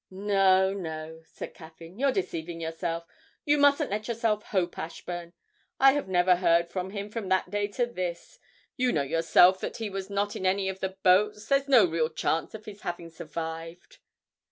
'No, no,' said Caffyn; 'you're deceiving yourself. You mustn't let yourself hope, Ashburn. I have never heard from him from that day to this. You know yourself that he was not in any of the boats; there's no real chance of his having survived.'